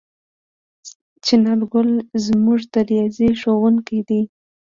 څنارګل زموږ د ریاضي ښؤونکی دی.